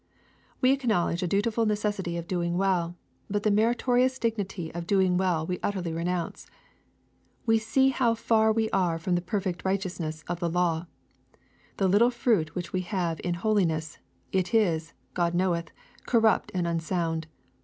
*' We acknowledge a dutiful necessity of doing well : but the meritorious dignity of doing well we utterly renounce. We Bee how far we are from the perfect righteousness of the law. The httle fruit which we have in holiness, it is, God knoweth, corrupt and unsound.